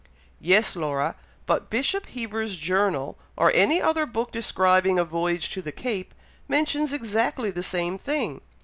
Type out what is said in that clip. "Yes, Laura! but Bishop Heber's Journal, or any other book describing a voyage to the Cape, mentions exactly the same thing.